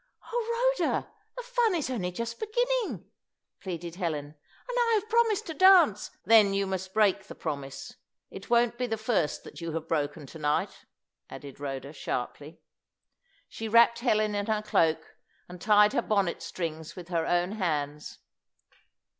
"O Rhoda, the fun is only just beginning," pleaded Helen. "And I have promised to dance " "Then you must break the promise. It won't be the first that you have broken to night," added Rhoda, sharply. She wrapped Helen in her cloak, and tied her bonnet strings with her own hands.